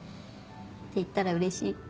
って言ったらうれしい？